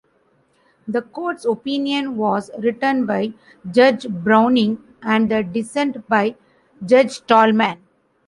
The court's opinion was written by Judge Browning, and the dissent by Judge Tallman.